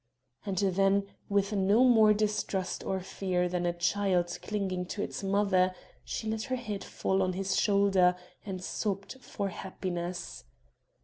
and then, with no more distrust or fear than a child clinging to its mother, she let her head fall on his shoulder and sobbed for happiness.